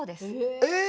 えっ！